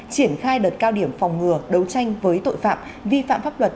triển khai đợt cao điểm phòng ngừa đấu tranh với tội phạm vi phạm pháp luật